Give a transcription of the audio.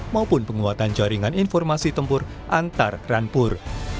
maupun penguatan jaringan informasi tempur antar rampur